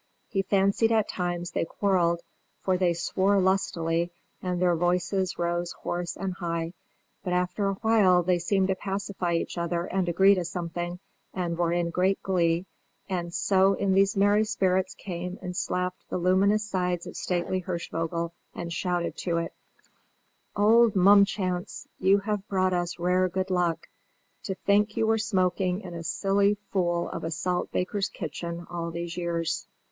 He fancied at times they quarrelled, for they swore lustily and their voices rose hoarse and high; but after a while they seemed to pacify each other and agree to something, and were in great glee, and so in these merry spirits came and slapped the luminous sides of stately Hirschvogel, and shouted to it: "Old Mumchance, you have brought us rare good luck! To think you were smoking in a silly fool of a salt baker's kitchen all these years!"